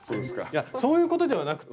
いやそういうことではなくて。